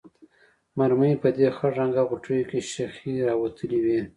مرمۍ په دې خړ رنګه غوټکیو کې شخې راوتلې وې.